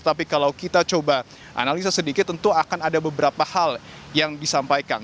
tapi kalau kita coba analisa sedikit tentu akan ada beberapa hal yang disampaikan